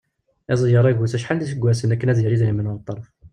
Izeyyeṛ agus acḥal d iseggasen akken ad yerr idrimen ar ṭṭerf.